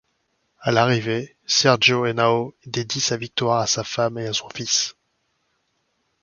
À l'arrivée, Sergio Henao dédie sa victoire à sa femme et à son fils.